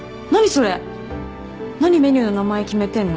それ何メニューの名前決めてんの？